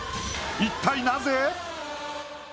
一体なぜ？